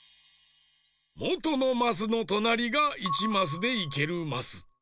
もとのマスのとなりが１マスでいけるマス。